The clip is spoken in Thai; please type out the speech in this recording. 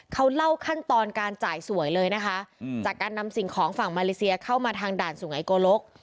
เขาเล่าขั้นตอนการจ่ายสวยเลยนะคะจากการนำสิ่งของฝั่งมาเลเซียเข้ามาทางด่านสุไงโกลก